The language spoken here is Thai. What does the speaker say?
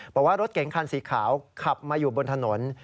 บอกว่ารถเก๋งคันสีขาวขับมาอยู่บนถนน